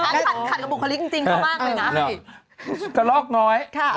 ขัดกระบุคลิกจริงเขามากเลยนะ